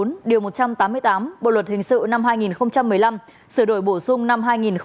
nguyễn quốc việt sinh năm một nghìn chín trăm tám mươi tám bộ luật hình sự năm hai nghìn một mươi năm sửa đổi bổ sung năm hai nghìn một mươi bảy